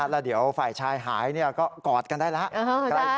แล้วเดี๋ยวฝ่ายชายหายก็กอดกันได้แล้ว